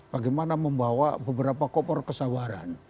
bagaimana membawa beberapa koper kesabaran